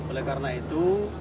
oleh karena itu